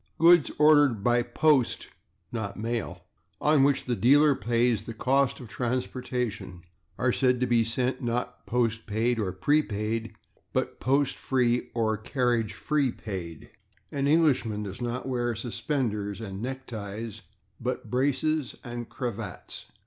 Goods ordered by /post/ (not mail) on which the dealer pays the cost of transportation are said to be sent, not /postpaid/ or /prepaid/, but /post free/ or /carriage paid/. [Pg104] An Englishman does not wear /suspenders/ and /neckties/, but /braces/ and /cravats